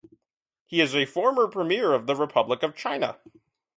He is a former Premier of the Republic of China.